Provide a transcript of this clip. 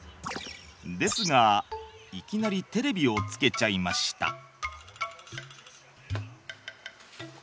ですがいきなりテレビをつけちゃいました。